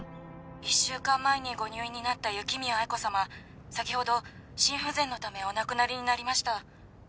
「１週間前にご入院になった雪宮愛子様先ほど心不全のためお亡くなりになりました」